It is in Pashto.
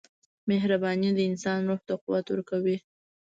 • مهرباني د انسان روح ته قوت ورکوي.